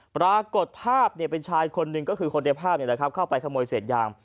ปรากฏภาพเป็นชายคนหนึ่งก็คือคนในภาพเข้าไปขโมยเศษยาง